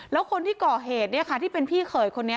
แล้วคนที่เกาะเหตุเนี้ยค่ะที่เป็นพี่เขยคนนี้